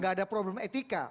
tidak ada problem etika